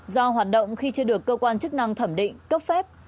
do hoạt động khi chưa được cơ quan chức năng thẩm định cấp phép